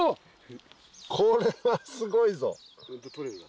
これはすごいぞ。